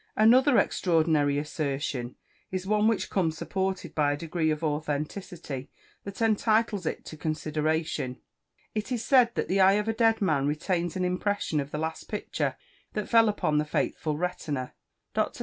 Another extraordinary assertion is one which comes supported by a degree of authenticity that entitles it to consideration. It is said that the eye of a dead man retains an impression of the last picture that fell upon the faithful retina. Dr.